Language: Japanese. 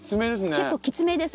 結構きつめです。